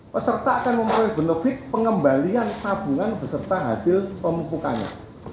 peserta akan mempunyai benufit pengembalian tabungan beserta hasil pemukukannya